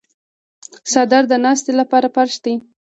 څادر د ناستې لپاره فرش دی.